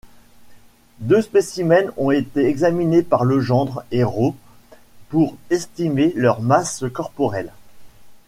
Deux spécimens ont été examinés par Legendre et Roth pour estimer leur masse corporelle.